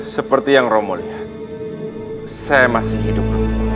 seperti yang rom melihat saya masih hidup